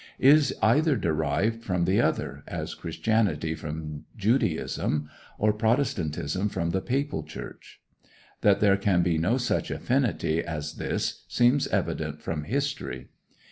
Is either derived from the other, as Christianity from Judaism, or Protestantism from the Papal Church? That there can be no such affinity as this seems evident from history.